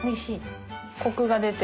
コクが出て。